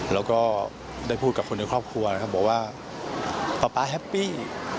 แล้วก็ได้พูดกับคนในครอบครัวนะครับบอกว่าป๊าป๊าแฮปปี้